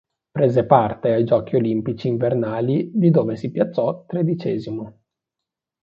Prese parte ai Giochi olimpici invernali di dove si piazzò tredicesimo.